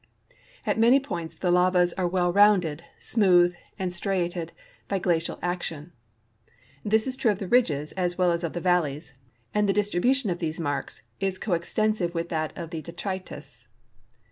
At many points the lavas are well rounded, smooth, and striated by glacial action. This is true of the ridges as well as of the valleys, and the distril)ution of these marks is coextensive with that of the detritus.